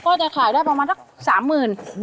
ก็จะขายได้ประมาณสักสามหมื่น